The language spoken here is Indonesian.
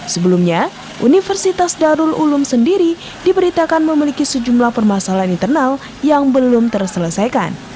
sebelumnya universitas darul ulum sendiri diberitakan memiliki sejumlah permasalahan internal yang belum terselesaikan